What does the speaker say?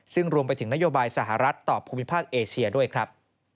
ซึ่งรวมไปถึงนโยบายสหรัฐต่อภูมิภาคเอเชียด้วยครับ